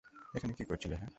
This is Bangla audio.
এখানে কী করছিলে, হ্যাঁ?